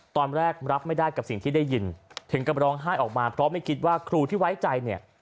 ตอนแรกรับไม่ได้กับสิ่งที่ได้ยินถึงกับร้องไห้ออกมาเพราะไม่คิดว่าครูที่ไว้ใจเนี่ย